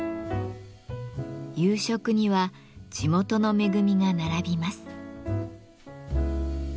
夕食には地元の恵みが並びます。